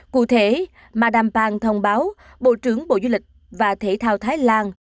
cụ thể mà đàm bàng thông báo bộ trưởng bộ du lịch và thể thao thái lan